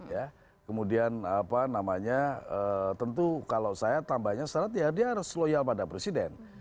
ya kemudian apa namanya tentu kalau saya tambahnya syarat ya dia harus loyal pada presiden